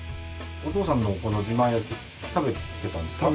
お父さんのじまん焼き食べてたんですか？